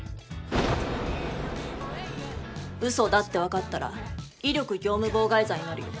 うそだって分かったら威力業務妨害罪になるよ。